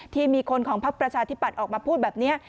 ที่มีคนของพักประชาธิปัตย์ออกมาพูดแบบนี้